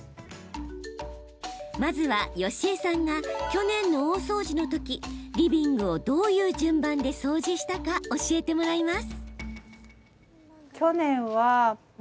まずは、よしえさんが去年の大掃除のときリビングを、どういう順番で掃除したか教えてもらいます。